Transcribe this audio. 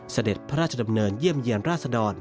เสด็จพระราชดำเนินเยี่ยมเยี่ยมราชดร